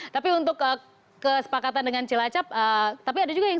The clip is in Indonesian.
tapi untuk kesepakatan dengan cilacap tapi ada juga yang